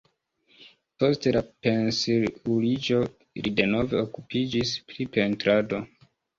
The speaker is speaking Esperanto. Post la pensiuliĝo li denove okupiĝis pri pentrado.